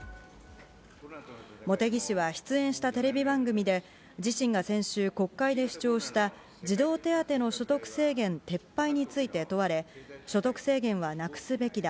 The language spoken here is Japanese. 茂木氏は出演したテレビ番組で、自身が先週、国会で主張した自民党手当の、児童手当の所得制限撤廃について問われ、所得制限はなくすべきだ。